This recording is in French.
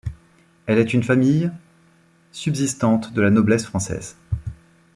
Elle est une famille subsistante de la noblesse française.